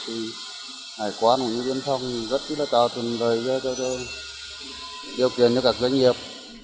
hải quán cũng như biên phong rất là cao trần lời cho điều kiện cho các doanh nghiệp